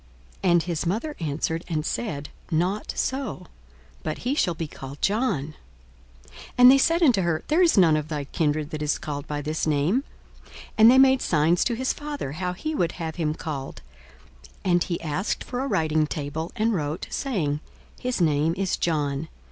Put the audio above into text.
42:001:060 And his mother answered and said, Not so; but he shall be called John. 42:001:061 And they said unto her, There is none of thy kindred that is called by this name. 42:001:062 And they made signs to his father, how he would have him called. 42:001:063 And he asked for a writing table, and wrote, saying, His name is John.